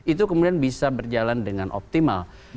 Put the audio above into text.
itu kemudian bisa berjalan dengan optimal